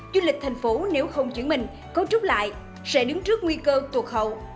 du lịch thành phố nếu không chuyển mình cấu trúc lại sẽ đứng trước nguy cơ tuột hậu